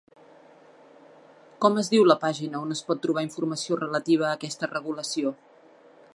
Com es diu la pàgina on es pot trobar informació relativa a aquesta regulació?